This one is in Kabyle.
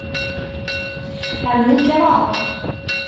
Rnu kraḍ.